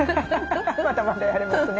まだまだやれますね。